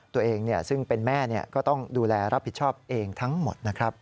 ตัวเองซึ่งเป็นแม่ก็ต้องดูแลรับผิดชอบเองทั้งหมดนะครับ